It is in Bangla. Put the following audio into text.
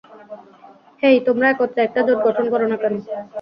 হেই, তোমরা একত্রে একটা জোট গঠন করো না কেন?